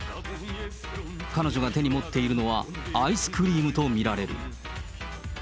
彼女が手に持っているのは、アイスクリームと見られる。